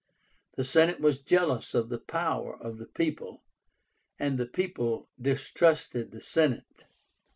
The Senate was jealous of the power of the people, and the people distrusted the Senate.